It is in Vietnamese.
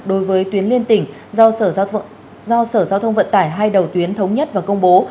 đối với tuyến liên tỉnh do sở giao thông vận tải hai đầu tuyến thống nhất và công bố